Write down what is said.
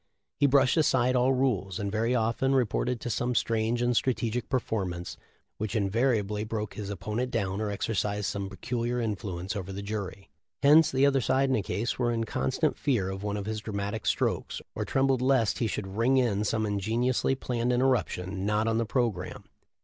He brushed aside all rules, and THE LIFE OF LINCOLN. 357 very often resorted to some strange and strategic performance which invariably broke his opponent down or exercised some peculiar influence over the jury. Hence the other side in a case were in con stant fear of one of his dramatic strokes, or trem bled lest he should "ring in" some ingeniously planned interruption not on the programme.